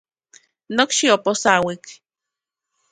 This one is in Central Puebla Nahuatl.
Nokxi oposauik.